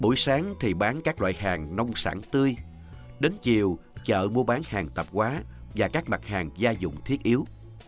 buổi sáng thì bán các loại hàng nông sản tươi đến chiều chợ mua bán hàng tạp hóa và các mặt hàng gia dụng thiết yếu